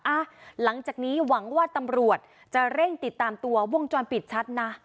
หลังจากนี้หวังว่าตำรวจจะเร่งติดตามตัววงจรปิดชัดนะ